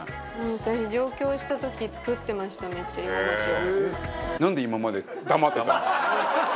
私、上京した時、作ってましためっちゃ、いももちを。